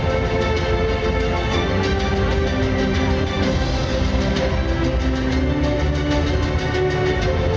สวัสดีค่ะเรามีเก้าอี้ให้คุณนะฮะเชิญค่ะ